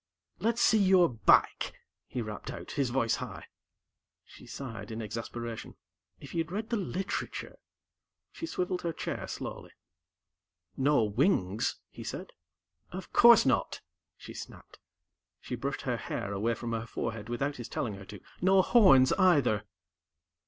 "Let's see your back!" he rapped out, his voice high. She sighed in exasperation. "If you'd read the literature ..." She swiveled her chair slowly. "No wings," he said. "Of course not!" she snapped. She brushed her hair away from her forehead without his telling her to. "No horns, either."